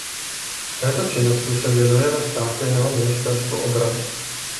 Této činnosti se věnuje ve státě jeho ministerstvo obrany.